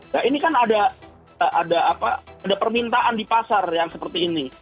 nah ini kan ada permintaan di pasar yang seperti ini